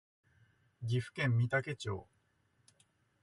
岐阜県御嵩町